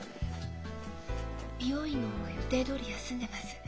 美容院の方は予定どおり休んでます。